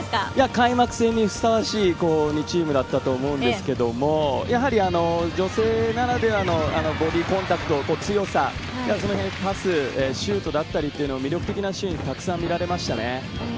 開幕戦にふさわしい２チームだと思いますが、女性ならではのボディコンタクト、強さ、パス、シュートだったり魅力的なシーンがたくさん見られました。